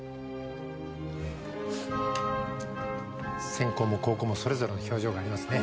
先攻も後攻もそれぞれの表情がありますね。